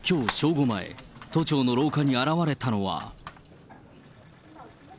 午前、都庁の廊下に現れたのは。